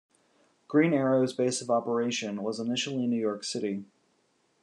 Green Arrow's base of operation was initially New York City.